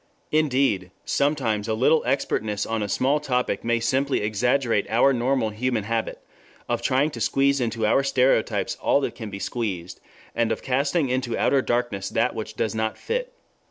Indeed, sometimes a little expertness on a small topic may simply exaggerate our normal human habit of trying to squeeze into our stereotypes all that can be squeezed, and of casting into outer darkness that which does not fit.